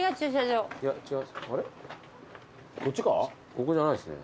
ここじゃないっすね。